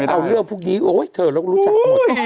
เอาเรื่องพวกนี้โอ๊ยเธอแล้วก็รู้จักหมด